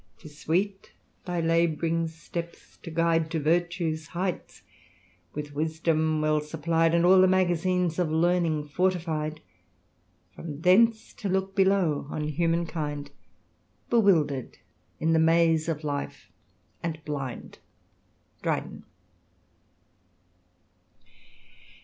•*Tis sweet thy laboring steps to guide To virtue's heights, with wisdom well supply'd, And all the magazines of learning fortify'd : From thence to look below on human kind, Bewilder'd in the maze of life, and blind." Dryden.